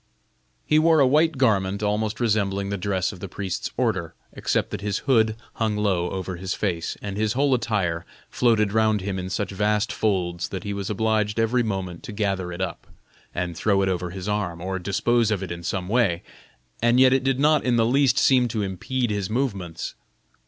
He wore a white garment almost resembling the dress of the priests order, except that his hood hung low over his face, and his whole attire floated round him in such vast folds that he was obliged every moment to gather it up, and throw it over his arm, or dispose of it in some way, and yet it did not in the least seem to impede his movements.